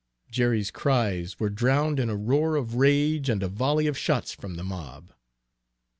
Jerry's cries were drowned in a roar of rage and a volley of shots from the mob.